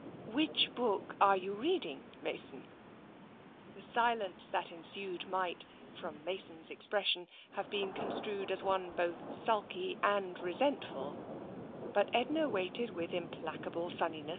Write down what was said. " Which book are you reading, Mason? " The silence that ensued might, from Mason's expres sion, have been construed as one both sulky and resent ful, but Edna waited with implacable sunniness.